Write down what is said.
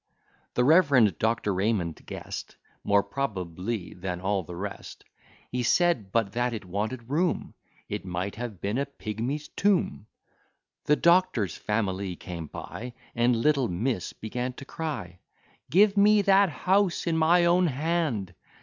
The reverend Dr. Raymond guess'd More probably than all the rest; He said, but that it wanted room, It might have been a pigmy's tomb. The doctor's family came by, And little miss began to cry, Give me that house in my own hand!